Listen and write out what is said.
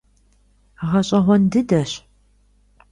Гъэщӏэгъуэн дыдэщ.